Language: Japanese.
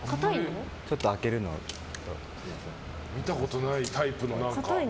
見たことないタイプの。